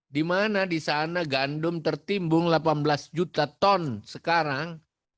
dimana disana gandum tertimbung delapan belas juta ton sekarang